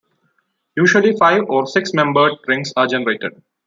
Usually five- or six-membered rings are generated.